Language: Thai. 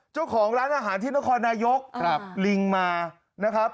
เจ้าของร้านอาหารที่นครนายกลิงมานะครับ